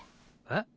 えっ？